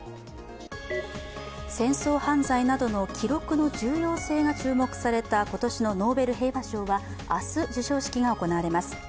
戦争犯罪などの記録の重要性が注目された今年のノーベル平和賞は明日授賞式が行われます。